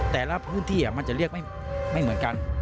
แต่ละพื้นที่มันจะเรียกไม่เหมือนกัน